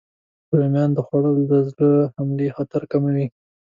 رومیان خوړل د زړه حملې خطر کموي.